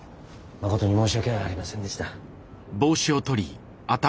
まことに申し訳ありませんでした。